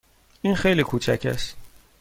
این خیلی کوچک است.